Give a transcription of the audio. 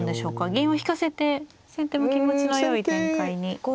銀を引かせて先手も気持ちのよい展開に。